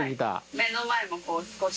目の前もこう、少し。